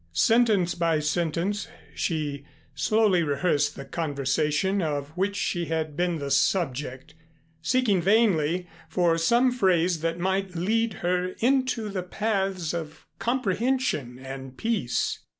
Sentence by sentence she slowly rehearsed the conversation of which she had been the subject, seeking vainly for some phrase that might lead her into the paths of comprehension and peace.